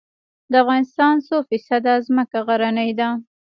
د افغانستان څو فیصده ځمکه غرنۍ ده؟